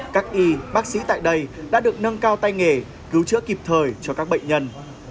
các y bác sĩ tại đây đã được nâng cao tay nghề cứu chữa kịp thời cho các bệnh nhân